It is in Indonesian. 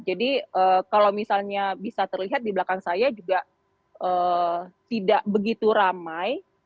jadi kalau misalnya bisa terlihat di belakang saya juga tidak begitu ramai